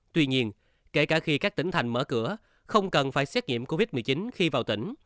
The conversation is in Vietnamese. tuy nhiên kể cả khi các tỉnh thành mở cửa không cần phải xét nghiệm covid một mươi chín khi vào tỉnh